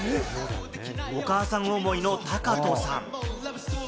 お母さん思いのタカトさん。